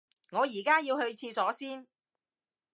我而家要去廁所先